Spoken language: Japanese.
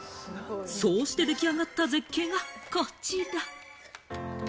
そうして出来上がった絶景がこちら！